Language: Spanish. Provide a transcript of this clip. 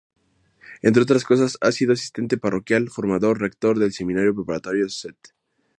Entre otras cosas, ha sido Asistente Parroquial, Formador, Rector del Seminario Preparatorio St.